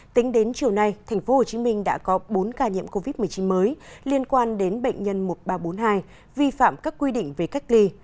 tính đến chiều nay tp hcm đã có bốn ca nhiễm covid một mươi chín mới liên quan đến bệnh nhân một nghìn ba trăm bốn mươi hai vi phạm các quy định về cách ly